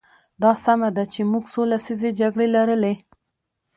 دا سمه ده چې موږ څو لسیزې جګړې لرلې.